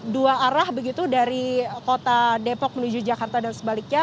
dua arah begitu dari kota depok menuju jakarta dan sebaliknya